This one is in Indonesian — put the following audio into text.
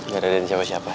gak ada yang siapa siapa